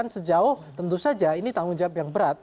sejauh tentu saja ini tanggung jawab yang berat